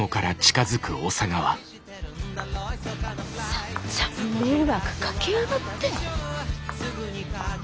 さんざん迷惑かけやがって。